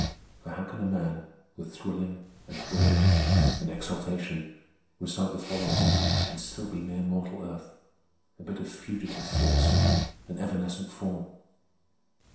For how can a man, with thrilling, and burning, and exaltation, recite the following and still be mere mortal earth, a bit of fugitive force, an evanescent form?